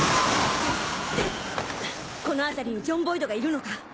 この辺りにジョン・ボイドがいるのか？